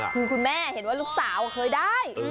คือคุณแม่เห็นว่าลูกสาวเคยได้